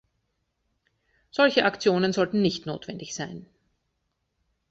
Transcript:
Solche Aktionen sollten nicht notwendig sein.